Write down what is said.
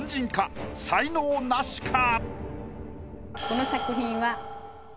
この作品は。